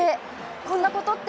こんなことって。